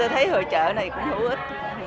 thấy hội trợ này cũng hữu ích